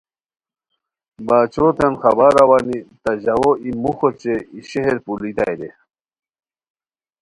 باچھوتین خبار اوانی تہ ژاؤو ای موخو اوچے ای شہر پولوئیتائے رے